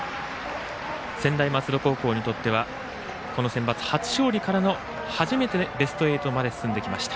専大松戸高校にとってはこのセンバツ初勝利からの初めて、ベスト８まで進んできました。